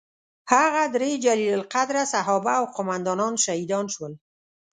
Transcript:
هغه درې جلیل القدره صحابه او قوماندانان شهیدان شول.